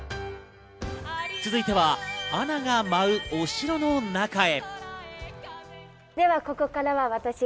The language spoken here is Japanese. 続いてはアナが舞う、お城の中へ。